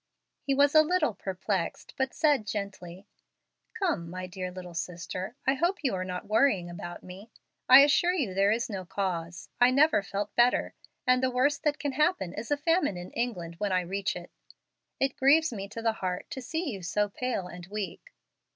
He was a little perplexed, but said, gently, "Come, my dear little sister, I hope you are not worrying about me. I assure you there is no cause. I never felt better, and the worst that can happen is a famine in England when I reach. It grieves me to the heart to see you so pale and weak.